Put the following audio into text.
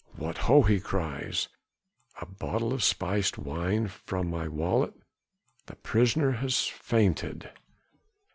"What ho!" he cries, "a bottle of spiced wine from my wallet. The prisoner has fainted."